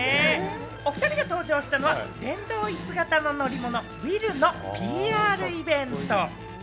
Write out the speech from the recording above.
お２人が登場したのは、電動椅子型の乗り物・ＷＨＩＬＬのＰＲイベント。